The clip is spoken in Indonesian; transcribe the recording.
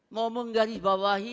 mau menggaris bawahi